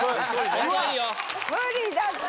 無理だって。